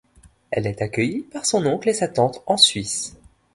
Elle est accueillie par son oncle et sa tante en Suisse.